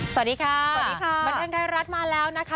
สวัสดีค่ะสวัสดีค่ะบันเทิงไทยรัฐมาแล้วนะคะ